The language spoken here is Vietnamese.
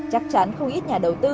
chắc chắn không ít nhà đầu tư